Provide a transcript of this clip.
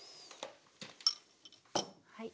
はい。